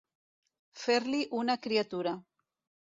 Fer-li una criatura.